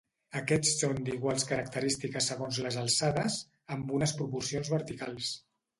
Aquests són d'iguals característiques segons les alçades, amb unes proporcions verticals.